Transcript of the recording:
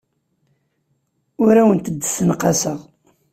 Ur awent-d-ssenqaseɣ.